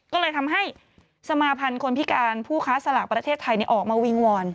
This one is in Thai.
ก็เลยทำให้สมาพันธ์คนพิการผู้ค้าสลากประเทศไทยออกมาวิงวอน